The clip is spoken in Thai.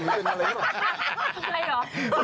อะไรเหรอ